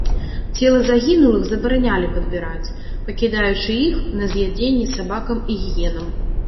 Целы загінулых забаранялі падбіраць, пакідаючы іх на з'ядзенне сабакам і гіенам.